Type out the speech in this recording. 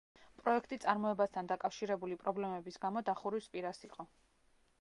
პროექტი წარმოებასთან დაკავშირებული პრობლემების გამო დახურვის პირას იყო.